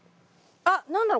あっ何だろ？